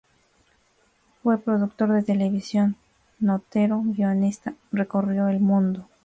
Fue productor de televisión, notero, guionista, recorrió el mundo.